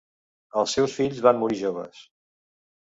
Els seus fills van morir joves.